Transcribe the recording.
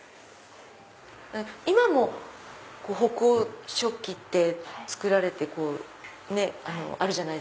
今も北欧食器って作られてるじゃないですか。